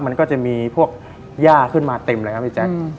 มันก็จะมีพวกย่าขึ้นมาเต็มเลยครับพี่แจ๊ค